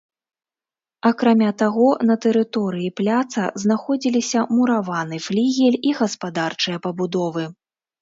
Акрамя таго, на тэрыторыі пляца знаходзіліся мураваны флігель і гаспадарчыя пабудовы.